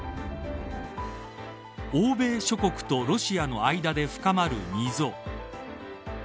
欧米諸国とロシアの間で深まる溝。